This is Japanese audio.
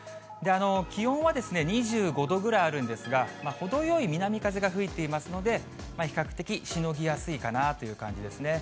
気温は２５度ぐらいあるんですが、程よい南風が吹いていますので、比較的しのぎやすいかなという感じですね。